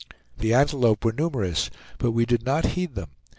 The antelope were numerous, but we did not heed them.